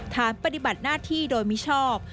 ฐานปฏิบัติหน้าที่โดยมิชอบ